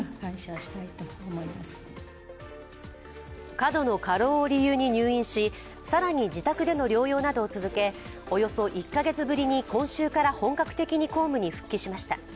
過度の過労を理由に入院し更に自宅での療養などを続けおよそ１カ月ぶりに今週から本格的に公務に復帰しました。